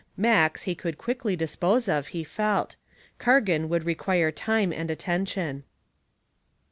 Max he could quickly dispose of, he felt; Cargan would require time and attention.